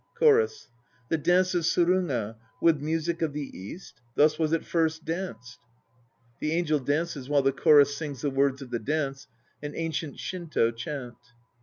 CHORUS. The dance of Suruga, with music of the East? Thus was it first danced. (The ANGEL dances, while the CHORUS sings the words of the dance, an ancient Shinto chant.)